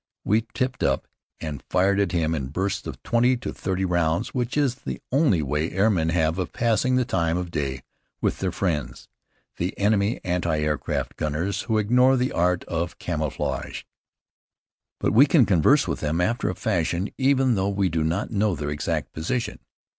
We tipped up and fired at him in bursts of twenty to thirty rounds, which is the only way airmen have of passing the time of day with their friends, the enemy anti aircraft gunners, who ignore the art of camouflage. But we can converse with them, after a fashion, even though we do not know their exact position.